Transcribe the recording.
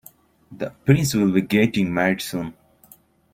The prince will be getting married soon.